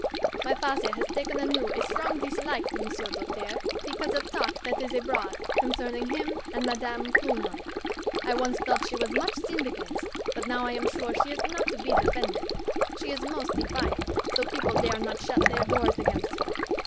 My father has taken anew a strong dislike to Monsieur Doltaire, because of talk that is abroad concerning him and Madame Cournal. I once thought she was much sinned against, but now I am sure she is not to be defended. She is most defiant, though people dare not shut their doors against her.